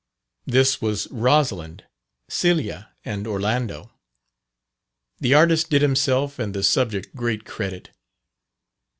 This was "Rosalind, Celia, and Orlando." The artist did himself and the subject great credit.